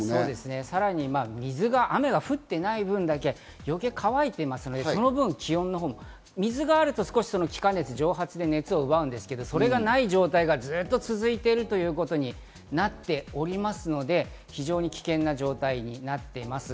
さらに雨が降っていない分だけ余計に乾いていますので、その分気温のほうも水があると気化熱、蒸発で熱を奪うんですけど、それがない状態がずっと続いているので、非常に危険な状態になっています。